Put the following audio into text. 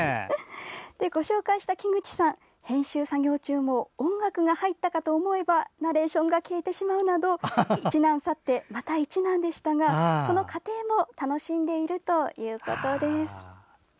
ご紹介した木口さん編集作業中も音楽が入ったかと思えばナレーションが消えてしまうなど一難さってまた一難でしたがその過程も楽しんでいるということです。